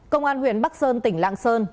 công an huyện bắc sơn tỉnh lạng sơn